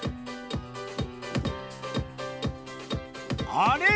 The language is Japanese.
あれ？